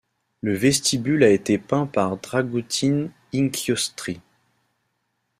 Le vestibule a été peint par Dragutin Inkiostri.